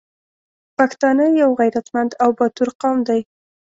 پښتانه یو غریتمند او باتور قوم دی